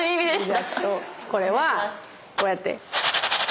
これはこうやって。